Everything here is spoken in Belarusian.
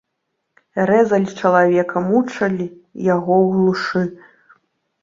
Рэзалі чалавека, мучылі яго ў глушы.